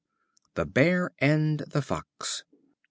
The Bear and the Fox.